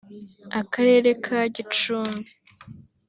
Akarere ka Gicumbi